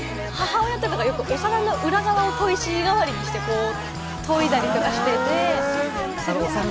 母親というか、お皿の裏側を砥石代わりにして、研いだりとかしてて。